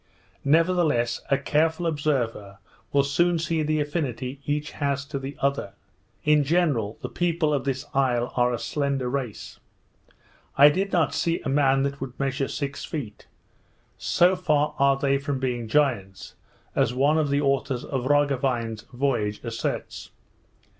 Nevertheless, a careful observer will soon see the affinity each has to the other. In general, the people of this isle are a slender race. I did not see a man that would measure six feet; so far are they from being giants, as one of the authors of Roggewein's voyage asserts.